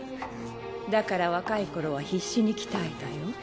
だから若い頃は必死に鍛えたよ。